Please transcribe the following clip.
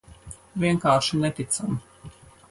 Vienkārši neticami.